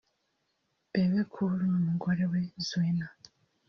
Bebe Cool n’umugore we Zuena